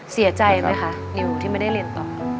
เสียใจไหมคะนิวที่ไม่ได้เรียนต่อ